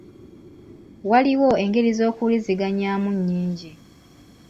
Waliwo engeri z'okuwuliziganyaamu nnyingi.